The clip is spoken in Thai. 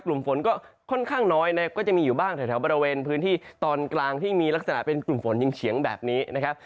กลุ่มฝนก็ค่อนข้างน้อยนะครับก็จะมีอยู่บ้างแถวบริเวณพื้นที่ตอนกลางที่มีลักษณะเป็นกลุ่มฝนเฉียงแบบนี้นะครับ